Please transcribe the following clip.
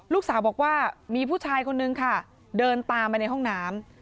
ลูกสาวบอกว่ามีผู้ชายคนนึงค่ะเดินตามไปในห้องน้ำ